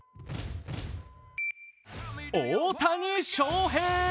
大谷翔平！